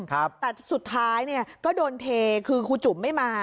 แต่สุดท้ายเนี่ยก็โดนเทคือครูจุ๋มไม่มา